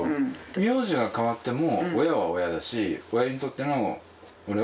名字が変わっても親は親だし親にとっての俺は俺だし。